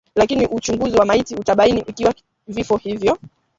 lakini uchunguzi wa maiti utabaini ikiwa vifo hivyo